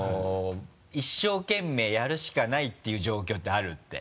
一生懸命やるしかないっていう状況ってあるって。